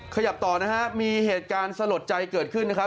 ขยับต่อนะฮะมีเหตุการณ์สลดใจเกิดขึ้นนะครับ